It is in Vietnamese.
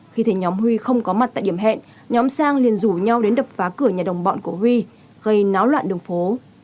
khi thấy nhóm huy không có mặt tại điểm hẹn nhóm sang liền rủ nhau đến đập phá cửa nhà đồng bọn của huy gây náo loạn đường phố